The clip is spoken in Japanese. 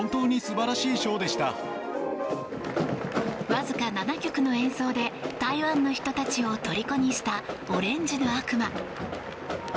わずか７曲の演奏で台湾の人たちを虜にしたオレンジの悪魔。